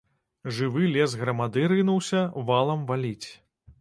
Жывы лес грамады рынуўся, валам валіць.